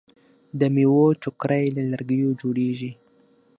د میوو ټوکرۍ له لرګیو جوړیږي.